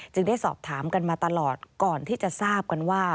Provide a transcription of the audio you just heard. ได้สอบถามกันมาตลอดก่อนที่จะทราบกันว่า